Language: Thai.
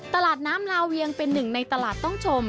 ตลาดน้ำลาเวียงเป็นหนึ่งในตลาดต้องชม